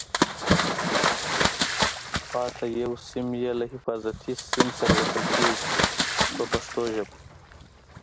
پاتې یو سیم یې له حفاظتي سیم سره وصل کېږي په پښتو ژبه.